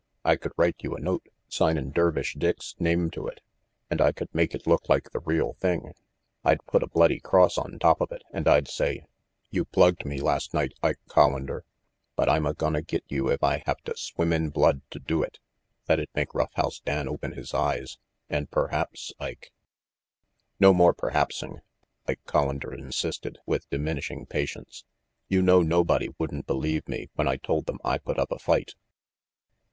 I could write you a note, signin' Dervish Dick's name to it, and I could make it look like the real thing. I'd put a bloody cross on top of it, and I'd say, 'You plugged me last night, Ike Collander, but I'm a gonna git you if I haveta swim in blood to do it.' That'd make Rough House Dan open his eyes, and perhaps, Ike " "No more perhapsing," Ike Collander insisted, with diminishing patience. "You know nobody wouldn't believe me when I told them I put up a fight."